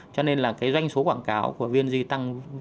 cho nên doanh số quảng cáo của vng tăng